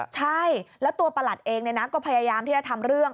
ใช่แล้วตัวประหลัดเองก็พยายามที่จะทำเรื่อง